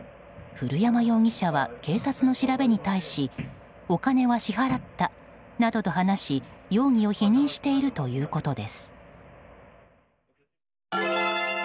古山容疑者は警察の調べに対しお金は支払ったなどと話し容疑を否認しているということです。